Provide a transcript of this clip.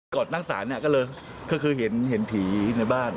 ก่อนตั้งสารก็เลยเห็นผีในบ้าน